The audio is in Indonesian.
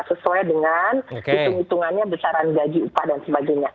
sesuai dengan hitung hitungannya besaran gaji upah dan sebagainya